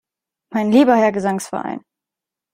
Mein lieber Herr Gesangsverein!